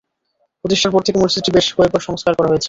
প্রতিষ্ঠার পর থেকে মসজিদটি বেশ কয়েকবার সংস্কার করা হয়েছে।